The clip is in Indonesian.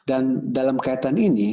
dan dalam kaitan ini